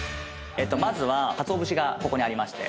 まずは鰹節がここにありまして。